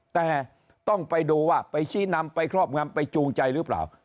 แต่ต้องไปดูว่าไปชี้นำไปครอบงำไปจูงใจหรือเปล่า